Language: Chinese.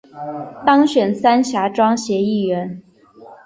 当选三峡庄协议员